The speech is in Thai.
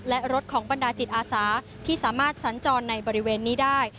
และรถของบรรดาจิตอาสาที่สามารถสัญจรในบริเวณนี้ได้